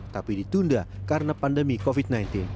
tapi ditunda karena pandemi covid sembilan belas